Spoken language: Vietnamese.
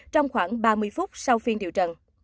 trong khoảng ba mươi phút sau phiên điều trần